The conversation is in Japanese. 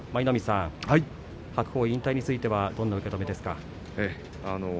白鵬を引退についてはどんな受け止めですか。